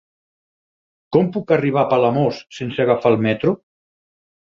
Com puc arribar a Palamós sense agafar el metro?